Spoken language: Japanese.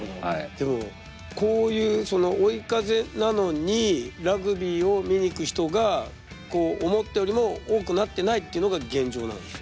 でもこういう追い風なのにラグビーを見に行く人が思ったよりも多くなってないっていうのが現状なんですね。